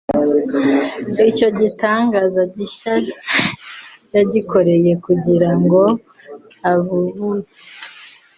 Icyo gitangaza gishya yagikoreye kugira ngo abibutse